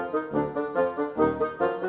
masih ada yang mau